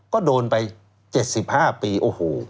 ก็โดนไป๗๕ปีโอ้โห